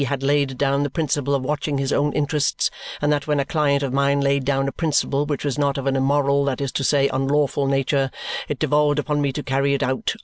had laid down the principle of watching his own interests, and that when a client of mine laid down a principle which was not of an immoral (that is to say, unlawful) nature, it devolved upon me to carry it out.